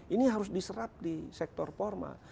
ini harus diserap di sektor formal